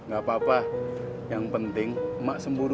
gak apa apa yang penting emak sembuh